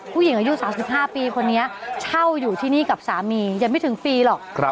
ผู้หญิงอายุ๓๕ปีคนนี้เช่าอยู่ที่นี่กับสามียังไม่ถึงปีหรอก